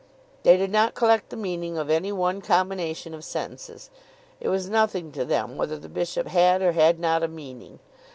They did not collect the meaning of any one combination of sentences. It was nothing to them whether the bishop had or had not a meaning.